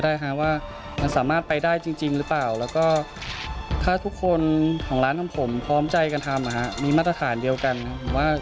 ใช่ฮะว่ามันสามารถไปได้จริงหรือเปล่าแล้วก็ถ้าทุกคนของร้านของผมพร้อมใจกันทำมีมาตรฐานเดียวกันครับผมว่า